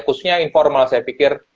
khususnya informal saya pikir